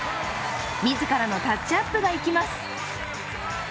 自らのタッチアップが生きます。